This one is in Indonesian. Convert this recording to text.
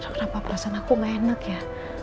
kenapa perasaan aku gak enak ya